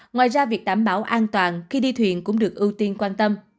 ngoài ra việc đảm bảo an toàn khi đi thuyền cũng được ưu tiên quan tâm